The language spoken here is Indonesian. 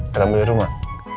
ketemu di rumah